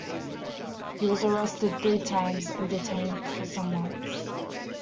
He was arrested three times and detained for some months.